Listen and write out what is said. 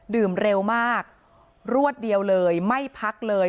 เร็วมากรวดเดียวเลยไม่พักเลย